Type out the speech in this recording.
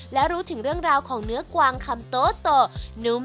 และรู้ถึงเรื่องราวของเนื้อกวางคำโตนุ่ม